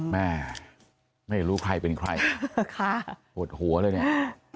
แม่ไม่รู้ใครเป็นใครปวดหัวเลยเนี่ย